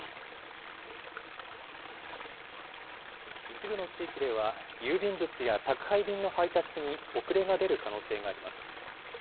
一部の地域では、郵便物や宅配便の配達に遅れが出る可能性があります。